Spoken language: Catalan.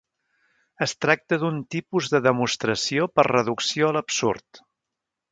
Es tracta d'un tipus de demostració per reducció a l'absurd.